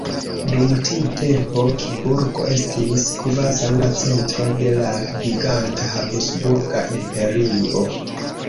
Dum tiu tempo Kiburgo estis kvazaŭ la centro de la giganta habsburga imperio.